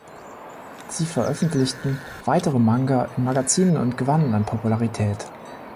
Sie veröffentlichten weitere Manga in Magazinen und gewannen an Popularität.